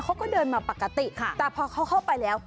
เขาก็เดินมาปกติแต่พอเขาเข้าไปแล้ว